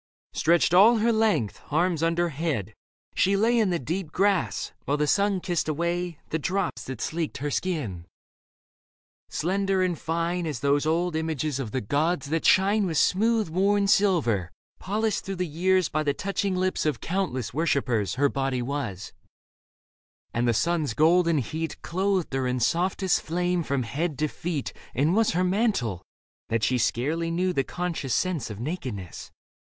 . Stretched all her length, arms under head, she lay In the deep grass, while the sun kissed away The drops that sleeked her skin. Slender and fine As those old images of the gods that shine H Leda With smooth worn silver, polished through the years By the touching lips of countless worshippers, Her body was ; and the sun's golden heat Clothed her in softest fiame from head to feet And was her mantle, that she scarcely knew The conscious sense of nakedness.